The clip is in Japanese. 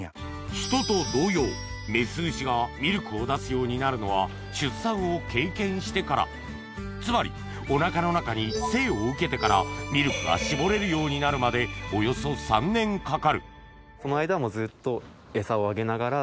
人と同様メス牛がミルクを出すようになるのは出産を経験してからつまりおなかの中に生を受けてからミルクが搾れるようになるまでおよそ３年かかるかわいい！